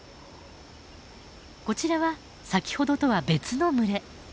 こちらは先ほどとは別の群れ。